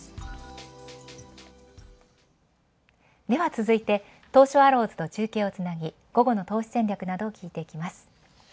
では続いて東証アローズと中継をつなぎ午後の投資戦略などを聞いていきます。